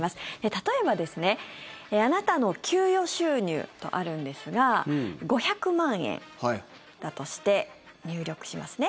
例えばあなたの給与収入とあるんですが５００万円だとして入力しますね。